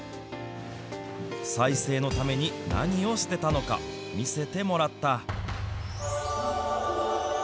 再生のために何をしてたのか、見せてもらった。